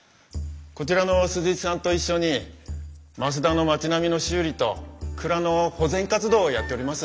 こちらの鈴石さんと一緒に増田の町並みの修理と蔵の保全活動をやっております。